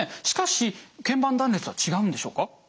しかし腱板断裂は違うんでしょうか？